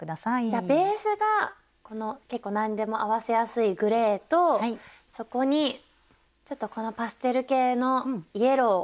じゃあベースがこの結構何でも合わせやすいグレーとそこにちょっとこのパステル系のイエロー。